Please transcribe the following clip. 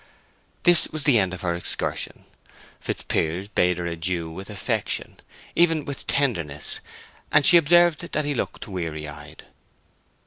This was the end of her excursion. Fitzpiers bade her adieu with affection, even with tenderness, and she observed that he looked weary eyed.